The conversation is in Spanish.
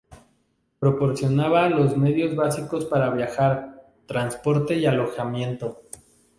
Proporciona los dos medios básicos para viajar: transporte y alojamiento.